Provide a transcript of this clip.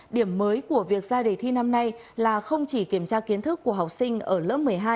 điểm mới của việc ra đề thi năm nay là không chỉ kiểm tra kiến thức của học sinh ở lớp một mươi hai